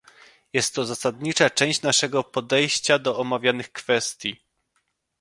Jest to zasadnicza część naszego podejścia do omawianych kwestii